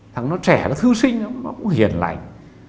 thằng nó trẻ nó thư sinh nó cũng hiền lành